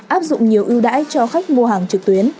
áp dụng nhiều ưu đãi cho khách mua hàng trực tuyến